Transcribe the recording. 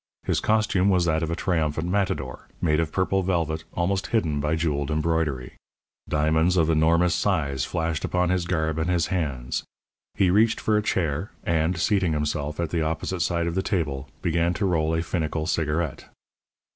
His costume was that of a triumphant matador, made of purple velvet almost hidden by jeweled embroidery. Diamonds of enormous size flashed upon his garb and his hands. He reached for a chair, and, seating himself at the opposite side of the table, began to roll a finical cigarette.